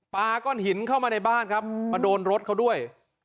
ก้อนหินเข้ามาในบ้านครับมาโดนรถเขาด้วย